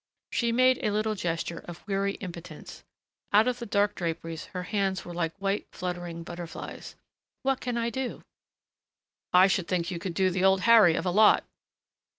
She made a little gesture of weary impotence. Out of the dark draperies her hands were like white fluttering butterflies. "What can I do?" "I should think you could do the Old Harry of a lot."